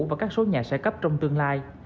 và các số nhà sẽ cấp trong tương lai